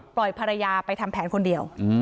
ภรรยาไปทำแผนคนเดียว